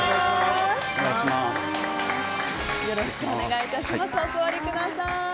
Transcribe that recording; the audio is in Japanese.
よろしくお願いします。